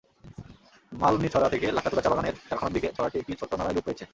মালনীছড়া থেকে লাক্কাতুরা চা-বাগানের কারখানার দিকে ছড়াটি একটি ছোট্ট নালায় রূপ পেয়েছে।